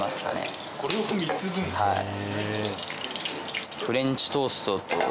はい。